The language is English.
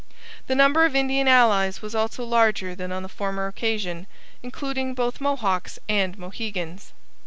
The number of Indian allies was also larger than on the former occasion, including both Mohawks and Mohegans.